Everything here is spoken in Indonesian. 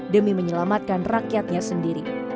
demi menyelamatkan rakyatnya sendiri